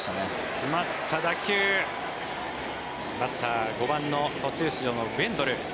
詰まった打球バッター、５番の途中出場のウェンドル。